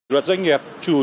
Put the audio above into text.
luật doanh nghiệp chủ yếu